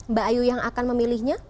mbak ayu yang akan memilihnya